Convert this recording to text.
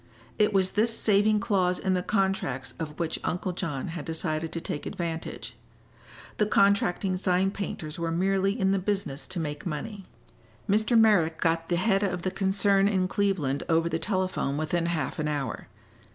It was this saving clause in the contracts of which Uncle John had decided to take advantage. The contracting sign painters were merely in the business to make money. Mr. Merrick got the head of the concern in Cleveland over the telephone within half an hour.